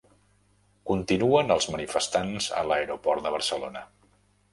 Continuen els manifestants a l'aeroport de Barcelona